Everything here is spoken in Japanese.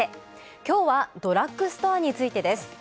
きょうはドラッグストアについてです。